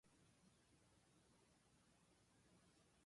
人一人死んでるんだよ